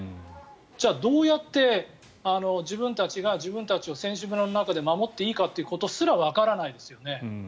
じゃあどうやって自分たちが自分たちを選手村の中で守っていいかということすらわからないわけですよね。